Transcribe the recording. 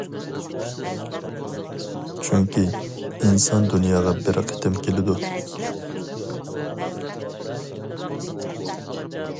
چۈنكى، ئىنسان دۇنياغا بىر قېتىم كېلىدۇ.